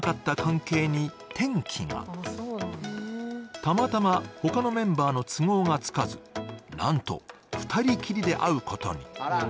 たまたま他のメンバーの都合がつかずなんと、２人きりで会うことに。